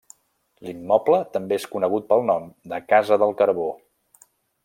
L'immoble també és conegut pel nom de Casa del Carbó.